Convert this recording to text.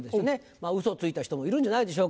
まぁウソをついた人もいるんじゃないでしょうか。